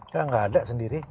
kang nggak ada sendiri